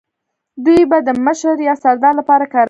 دوی به د مشر یا سردار لپاره کاروی